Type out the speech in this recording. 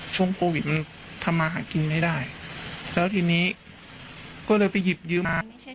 ช่วงโควิดมันทำมาหากินไม่ได้แล้วทีนี้ก็เลยไปหยิบยืมมา